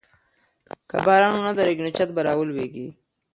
که باران ونه دريږي نو چت به راولوېږي.